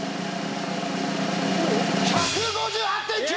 １５８．９！